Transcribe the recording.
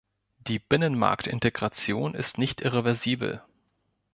Die Binnenmarktintegration ist nicht irreversibel.